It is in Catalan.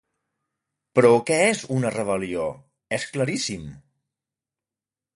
Però què és una rebel·lió, és claríssim.